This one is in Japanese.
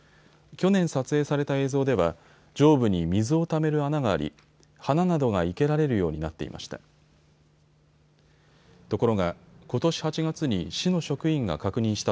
去年撮影された映像では上部に水をためる穴があり花などが生けられるようになっていました。